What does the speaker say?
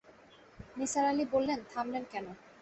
নিসার আলি বললেন, থামলেন কেন?